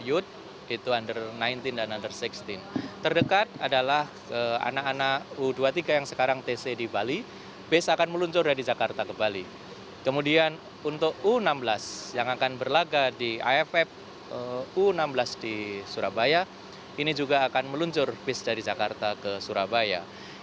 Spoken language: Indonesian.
u enam belas di surabaya ini juga akan meluncur bis dari jakarta ke surabaya